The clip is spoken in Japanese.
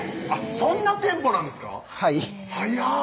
そんなテンポなんですかはい早っ！